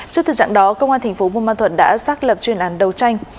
trước thời trạng đó công an tp bùn ban thuật đã xác lập chuyên án đầu tranh